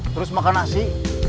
terus makan nasi